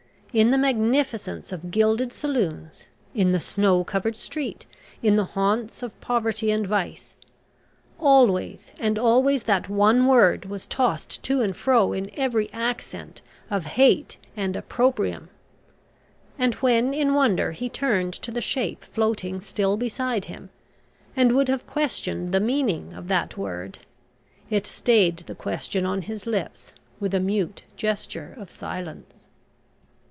In the magnificence of gilded saloons, in the snow covered street, in the haunts of poverty and vice, always and always that one word was tossed to and fro in every accent of hate and opprobrium. And when in wonder he turned to the shape floating still beside him, and would have questioned the meaning of that word, it stayed the question on his lips with a mute gesture of silence.